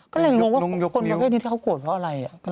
ก็เลยหงวงว่าคนแบบนี้ที่เขาโกรธเพราะอะไร